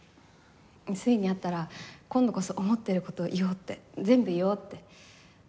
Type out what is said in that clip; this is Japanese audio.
粋に会ったら今度こそ思ってる事を言おうって全部言おうって。